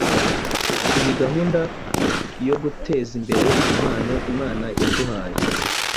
iyi gahunda yo guteza imbere impano Imana yaduhaye